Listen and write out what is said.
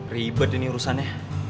ribet ini urusannya